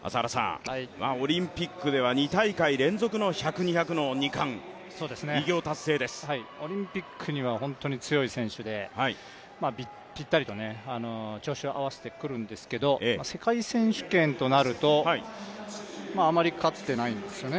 オリンピックでは２大会連続の１００、２００の２冠、オリンピックには本当に強い選手でぴったりと調子を合わせてくるんですけど、世界選手権となるとあまりかつてないんですよね。